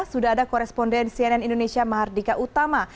sudah ada koresponden cnn indonesia mahardika utama